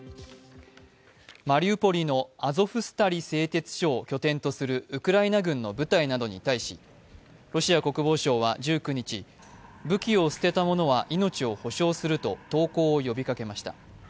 マリウポリのアゾフスタリ製鉄所を拠点とするウクライナ軍の部隊などに対しロシア国防省は１９日、武器を捨てた者は命を保障すると投降を呼びかけました。